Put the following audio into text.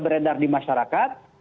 beredar di masyarakat